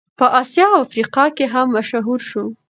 په اسیا او افریقا کې هم مشهور شو.